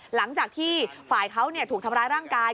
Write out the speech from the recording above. หลังจากที่ฝ่ายเขาถูกทำร้ายร่างกาย